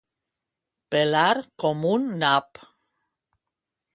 Pelar com un nap.